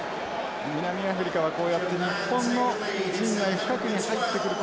南アフリカはこうやって日本の陣内深くに入ってくることをまず狙ってきます。